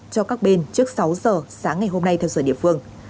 cho các bên trước sáu giờ sáng ngày hôm nay theo giờ địa phương